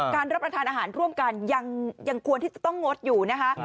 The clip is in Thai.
รับประทานอาหารร่วมกันยังควรที่จะต้องงดอยู่นะคะ